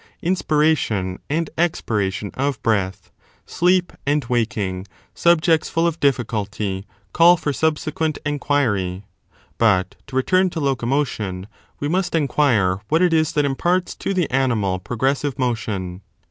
Inspiration and expiration of breath, sleep and waking, subjects full of difficulty, call for subsequent enquiry. But to5 return to locomotion, we must enquire what it is that imparts (Trend.), αὔξησιν etiam in interpret. Them. Philop.